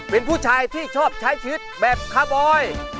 เป็นผู้ชายที่ชอบใช้ชีวิตแบบคาร์บอย